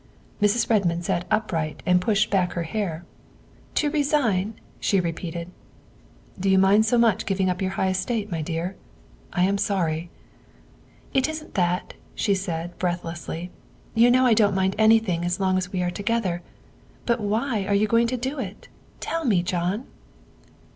Mrs. Redmond sat upright and pushed back her hair. '' To resign !'' she repeated. " Do you mind so much giving up your high estate, my dear? I am sorry." " It isn't that," she said breathlessly; " you know I don't mind anything as long as we are together. But why are you going to do it, tell me, John.